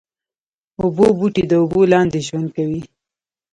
اوبو بوټي د اوبو لاندې ژوند کوي